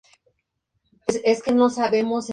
Generación de Tráfico Avanzado.